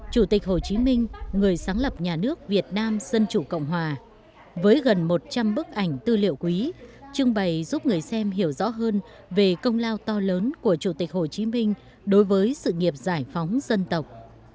chủ tịch hồ chí minh người sáng lập nhà nước việt nam dân chủ cộng hòa với gần một trăm linh bức ảnh tư liệu quý trưng bày giúp người xem hiểu rõ hơn về công lao to lớn của chủ tịch hồ chí minh đối với sự nghiệp giải phóng dân tộc